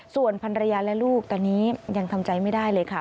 ส่วนพันรยาและลูกตอนนี้ยังทำใจไม่ได้เลยค่ะ